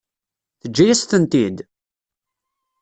Teǧǧa-yas-tent-id?